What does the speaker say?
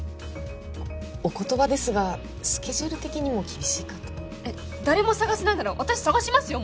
お言葉ですがスケジュール的にも厳しいかと誰も探せないなら私探しますよ